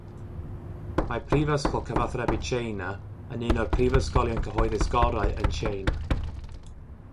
Mae Prifysgol Cyfathrebu Tsieina yn un o'r prifysgolion cyhoeddus gorau yn Tsieina.